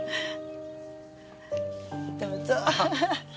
どうぞ。